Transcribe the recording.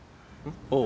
おう。